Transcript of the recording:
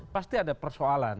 pasti ada persoalan